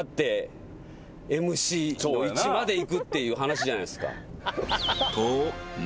の位置までいくっていう話じゃないですか。